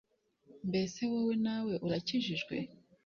mbese wowe nawe urakijijwe